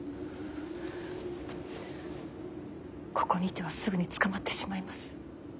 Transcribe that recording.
ここにいてはすぐに捕まってしまいます。